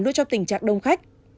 luôn cho tình trạng đông khách